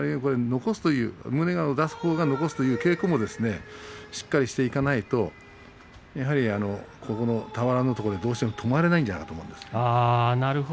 胸を出すほうが残すという稽古をしっかりしていかないと俵のところでどうしても止まれないんじゃないかと思うんです。